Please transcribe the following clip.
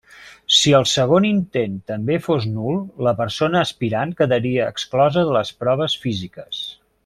Si el segon intent també fos nul, la persona aspirant quedaria exclosa de les proves físiques.